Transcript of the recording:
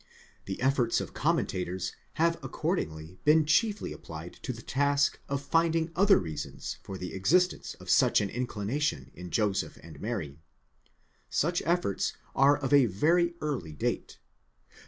The efforts of commentators have accordingly been chiefly applied to the task of finding other reasons for the existence of such an inclination in Joseph and Mary. Such efforts are of avery early date.